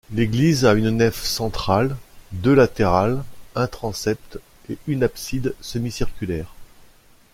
L'église a une nef centrale, deux latérales, un transept et une abside semi-circulaire.